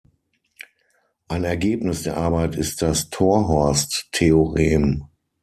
Ein Ergebnis der Arbeit ist das Torhorst-Theorem.